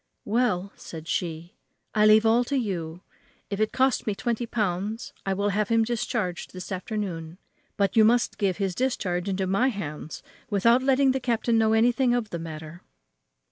"Well," said she, "I leave all to you. If it costs me twenty pounds I will have him discharged this afternoon. But you must give his discharge into my hands without letting the captain know anything of the matter."